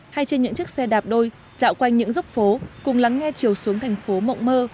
hay trên những chiếc xe đạp đôi dạo quanh những dốc phố cùng lắng nghe chiều xuống thành phố mộng mơ